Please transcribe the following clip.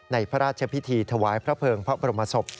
พระราชพิธีถวายพระเภิงพระบรมศพ